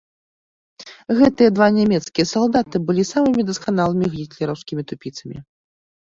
Гэтыя два нямецкія салдаты былі самымі дасканалымі гітлераўскімі тупіцамі.